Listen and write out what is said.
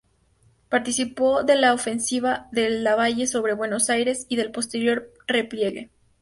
Participó de la ofensiva de Lavalle sobre Buenos Aires y del posterior repliegue.